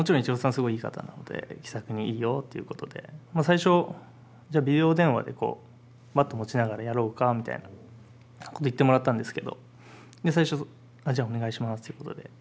すごいいい方なので気さくに「いいよ」ということで最初じゃあビデオ電話でバット持ちながらやろうかみたいなこと言ってもらったんですけどで最初じゃあお願いしますということで。